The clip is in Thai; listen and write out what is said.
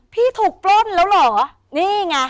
พี่ถูกปล้นแล้วเหรอนี่ไง